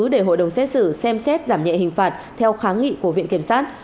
để hội đồng xét xử xem xét giảm nhẹ hình phạt theo kháng nghị của viện kiểm sát